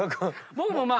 僕もまあ。